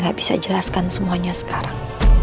saya bisa jelaskan semuanya sekarang